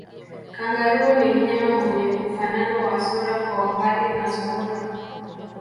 Kangaroo ni mnyama mwenye ufanano wa sura kwa mbali na sungura